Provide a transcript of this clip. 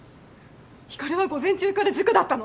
光は午前中から塾だったの。